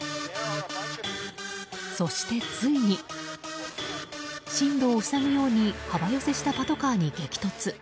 そして、ついに進路を塞ぐように幅寄せをしたパトカーに激突。